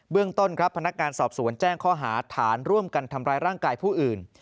เรื่องต้นครับพนักงานสอบสวนแจ้งข้อหาฐานร่วมกันทำร้ายร่างกายผู้อื่น